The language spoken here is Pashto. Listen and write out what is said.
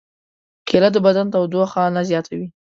کېله د بدن تودوخه نه زیاتوي.